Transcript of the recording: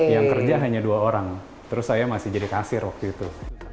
yang kerja hanya dua orang terus saya masih jadi kasir waktu itu